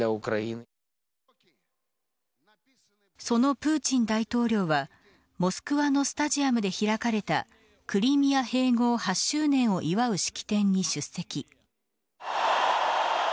そのプーチン大統領はモスクワのスタジアムで開かれたクリミア併合８周年を祝う式典に出席。